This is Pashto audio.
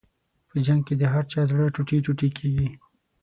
په جنګ کې د هر چا زړه ټوټې ټوټې کېږي.